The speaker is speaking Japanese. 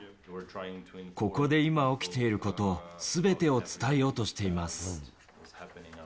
ここで今起きていること、すべてを伝えようとしています。